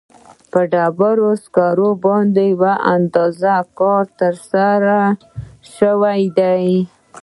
په ډبرو سکرو باندې یو اندازه کار ترسره شوی دی.